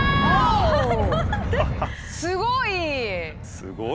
すごい！